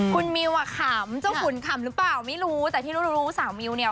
คุณมิวอ่ะขำเจ้าขุนขำหรือเปล่าไม่รู้แต่ที่รู้รู้สาวมิวเนี่ย